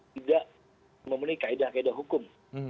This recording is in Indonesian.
tidak memenuhi kaedah kaedah hukum